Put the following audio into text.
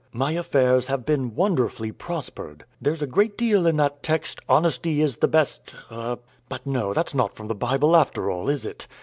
my affairs have been wonderfully prospered. There's a great deal in that text 'Honesty is the best' but no, that's not from the Bible, after all, is it?